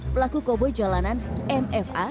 pelaku koboi jalanan mfa